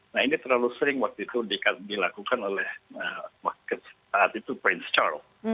nah ini terlalu sering waktu itu dilakukan oleh prince charles